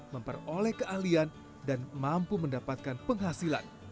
memperoleh keahlian dan mampu mendapatkan penghasilan